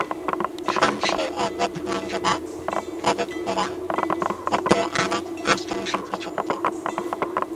সাহসী ও বুদ্ধিমান যুবক প্রদীপ গুরুং একটি অনাথ আশ্রমের সাথে যুক্ত।